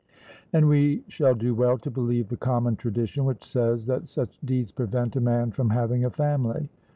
And we shall do well to believe the common tradition which says, that such deeds prevent a man from having a family.